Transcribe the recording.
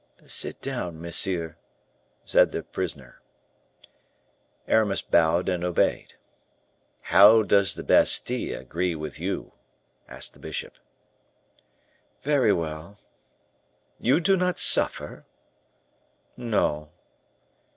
"Sit down, monsieur," said the prisoner. Aramis bowed and obeyed. "How does the Bastile agree with you?" asked the bishop. "Very well." "You do not suffer?" "No."